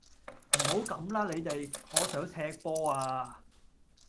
唔好咁啦你哋，我想踢波呀